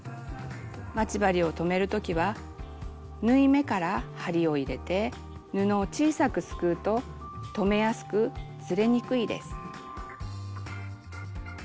待ち針を留めるときは縫い目から針を入れて布を小さくすくうと留めやすくずれにくいです。